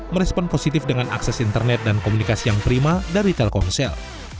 merespon positif dengan akses internet dan komunikasi yang prima dari telkomsel